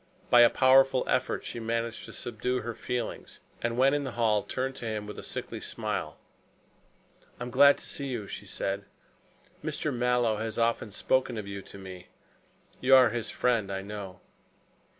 By a powerful effort she managed to subdue her feelings, and when in the hall turned to him with a sickly smile. "I am glad to see you," she said. "Mr. Mallow has often spoken to you of me. You are his friend, I know."